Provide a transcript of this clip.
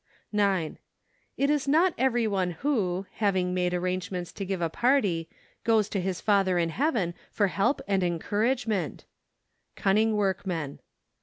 9. It is not every one who, having made arrangements to give a party, goes to his Father in Heaven for help and encourage¬ ment. Cunning Workmen.